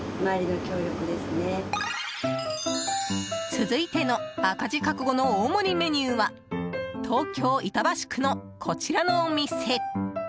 続いての赤字覚悟の大盛りメニューは東京・板橋区の、こちらのお店。